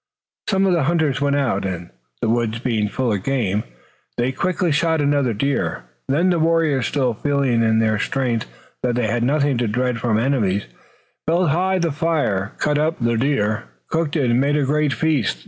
Some of the hunters went out, and, the woods being full of game, they quickly shot another deer. Then the warriors still feeling in their strength that they had nothing to dread from enemies, built high the fire, cut up the deer, cooked it and made a great feast.